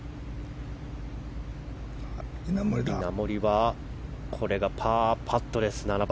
稲森はこれがパーパットです、７番。